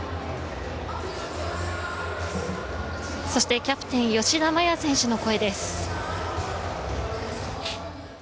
そしてキャプテン吉田麻也選手の声です。